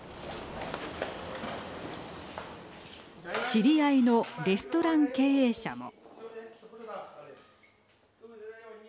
知り合いのレストラン経営者も。